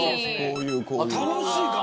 楽しいかも。